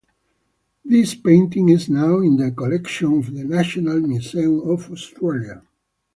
This painting is now in the collection of the National Museum of Australia.